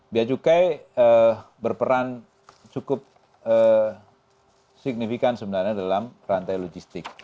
biaya cukai berperan cukup signifikan sebenarnya dalam rantai logistik